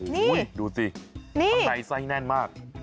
นี่ดูสิข้างในไส้แน่นมาก